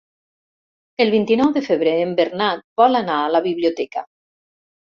El vint-i-nou de febrer en Bernat vol anar a la biblioteca.